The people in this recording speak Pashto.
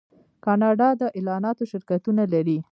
کاناډا د اعلاناتو شرکتونه لري.